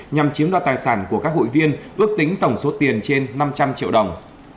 nhằm chiếm đoạt tài sản của các hội viên ước tính tổng số tiền trên năm trăm linh triệu đồng